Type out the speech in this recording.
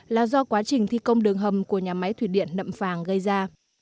là do quá trình thi công đường hầm của nhà máy thủy điện nậm phàng gây ra